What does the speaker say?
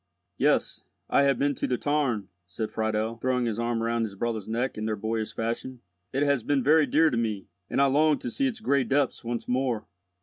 "Yes, I have been to the tarn," said Friedel, throwing his arm round his brother's neck in their boyish fashion. "It has been very dear to me, and I longed to see its gray depths once more."